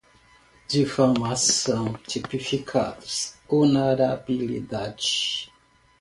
difamação, tipificados, honorabilidade